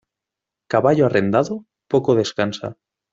Caballo arrendado, poco descansa.